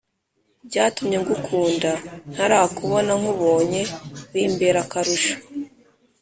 byatumye ngukunda ntarakubona, nkubonye bimbera akarusho